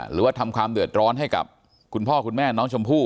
หรือว่าทำความเดือดร้อนให้กับคุณพ่อคุณแม่น้องชมพู่